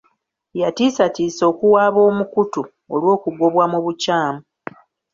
Yatiisatiisa okuwaaba omukutu olw'okugobwa mu bukyamu.